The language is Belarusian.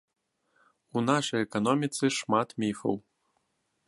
У нашай эканоміцы шмат міфаў.